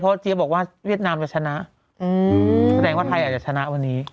เพราะเจี๊ยบบอกว่าเวียดนามจะชนะแสดงว่าไทยอาจจะชนะวันนี้